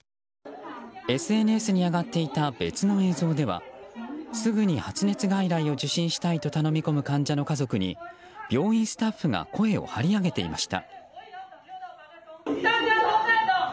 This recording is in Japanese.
ＳＮＳに上がっていた別の映像ではすぐに発熱外来を受診したいと頼み込む患者の家族に病院スタッフが声を張り上げていました。